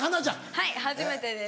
はい初めてです。